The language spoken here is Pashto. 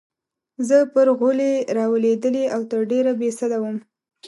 زه پر غولي رالوېدلې او تر ډېره بې سده وم.